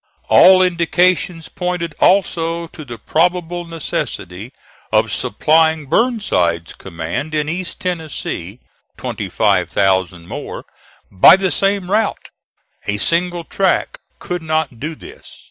All indications pointed also to the probable necessity of supplying Burnside's command in East Tennessee, twenty five thousand more, by the same route. A single track could not do this.